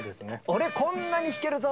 「俺こんなに弾けるぞ！」